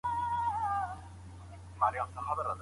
که ميرمني نه غوښتل، چي نور له خاوند سره ګډ ژوند وکړي.